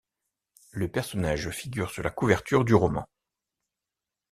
Le personnage figure sur la couverture du roman.